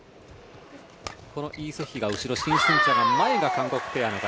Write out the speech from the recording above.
このイ・ソヒが後ろシン・スンチャンが前が韓国ペアの形。